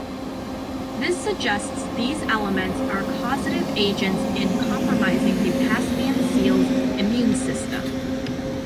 This suggests these elements are causative agents in compromising the Caspian seal's immune system.